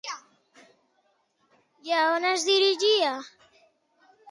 I a on es dirigia?